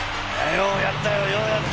ようやった！